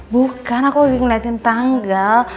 bukan aku lagi ngeliatin tanggal